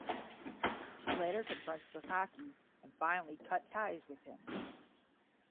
She later confronts Sakaki and finally cut ties with him.